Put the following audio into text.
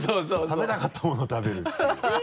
食べたかったものを食べる